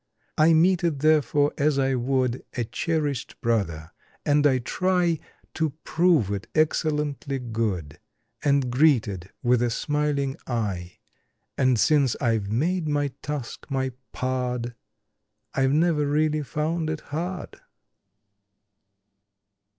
I meet it, therefore, as I would A cherished brother, and I try To prove it excellently good, And greet it with a smiling eye — And since I've made my task my pard I've never really found it hard.